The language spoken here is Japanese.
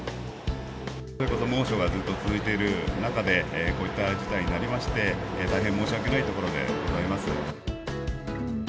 猛暑がずっと続いている中で、こういった事態になりまして、大変申し訳ないところでございます。